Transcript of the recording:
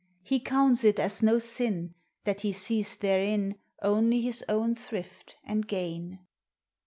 He counts it as no sin That he sees therein Only his own thrift and gain.